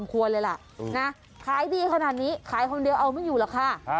ควรเลยล่ะนะขายดีขนาดนี้ขายคนเดียวเอาไม่อยู่หรอกค่ะ